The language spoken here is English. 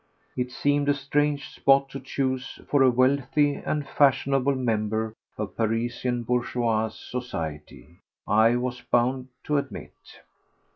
It seemed a strange spot to choose for a wealthy and fashionable member of Parisian bourgeois society, I was bound to admit.